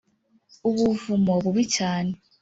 ubuvumo bubi cyane.